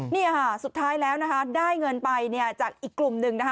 นี่สุดท้ายแล้วได้เงินไปจากอีกกลุ่มหนึ่ง